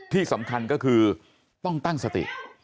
ที่สำคัญก็คือต้องตั้งสติ